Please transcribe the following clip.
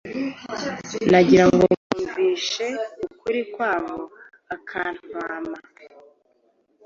nagira ngo mwumvishe ukuri kwabo akantwama